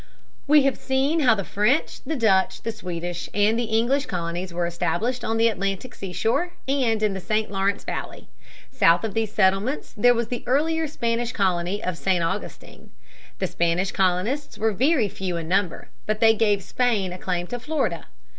We have seen how the French, the Dutch, the Swedish, and the English colonies were established on the Atlantic seashore and in the St. Lawrence valley. South of these settlements there was the earlier Spanish colony at St. Augustine. The Spanish colonists were very few in number, but they gave Spain a claim to Florida.